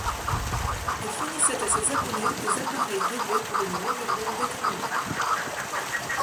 Elle fournissait à ses abonnés, des appareils réglés pour une longueur d'onde déterminée.